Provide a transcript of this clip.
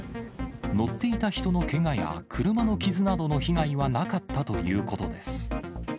乗っていた人のけがや車の傷などの被害はなかったということです。